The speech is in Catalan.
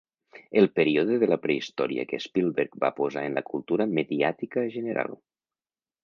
El període de la prehistòria que Spielberg va posar en la cultura mediàtica general.